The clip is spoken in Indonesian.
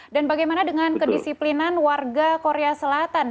bagaimana dengan kedisiplinan warga korea selatan